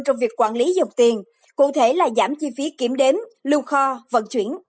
trong việc quản lý dòng tiền cụ thể là giảm chi phí kiểm đếm lưu kho vận chuyển